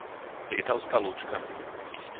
Lietavská Lúčka